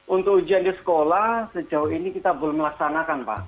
untuk ujian di sekolah sejauh ini kita belum melaksanakan pak